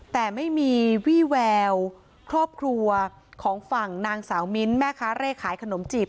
แต่ไม่มีวี่แววครอบครัวของฝั่งนางสาวมิ้นท์แม่ค้าเร่ขายขนมจีบ